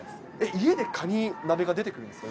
家でカニ鍋が出てくるんですか？